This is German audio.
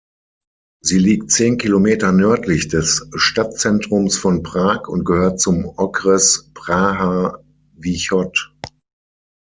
Sie liegt zehn Kilometer nördlich des Stadtzentrums von Prag und gehört zum Okres Praha-východ.